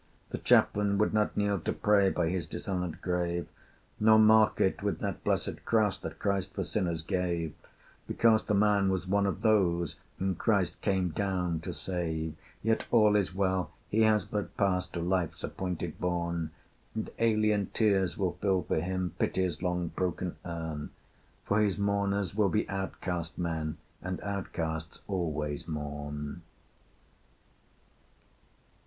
The Chaplain would not kneel to pray By his dishonored grave: Nor mark it with that blessed Cross That Christ for sinners gave, Because the man was one of those Whom Christ came down to save. Yet all is well; he has but passed To Life's appointed bourne: And alien tears will fill for him Pity's long broken urn, For his mourner will be outcast men, And outcasts always mourn.